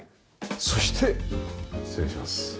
そして失礼します。